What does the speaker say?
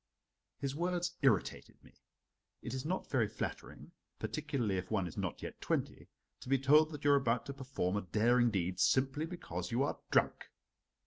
His words irritated me. It is not very flattering, particularly if one is not yet twenty, to be told that you are about to perform a daring deed simply because you are drunk.